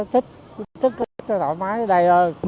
tôi thích xe thoải mái ở đây hơn